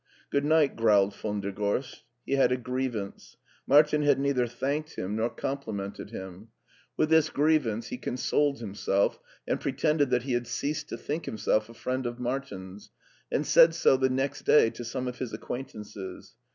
Good night," growled von der Gorst. He had a grievance. Martin had neither thanked him nor com it LEIPSIC 97 pliiMnted him. With this grievance he consoled him self, and pretended that he had ceased to think him self a friend of Martin's, and said so the next day to some of his acquaintances.